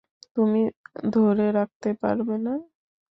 তুমি ধরে রাখতে পারবে না!